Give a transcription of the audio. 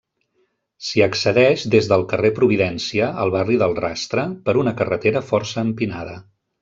S'hi accedeix des del carrer Providència, al barri del Rastre, per una carretera força empinada.